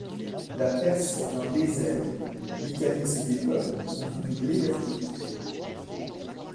La Perse est un désert, l'Italie se dépeuple ou vit de blé d'Afrique.